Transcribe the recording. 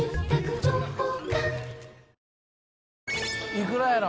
いくらやろ？